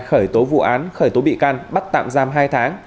khởi tố vụ án khởi tố bị can bắt tạm giam hai tháng